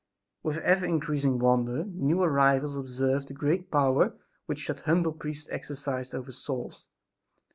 With ever increasing wonder the new arrivals observed the great power which that humble priest exercised over souls.